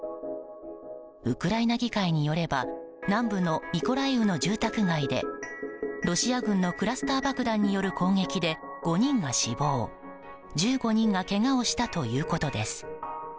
ウクライナ議会によれば南部のミコライウの住宅街でロシア軍のクラスター爆弾による攻撃で、５人が死亡１５人がけがをしたということです。